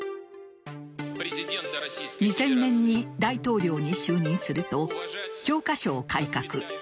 ２０００年に大統領に就任すると教科書を改革。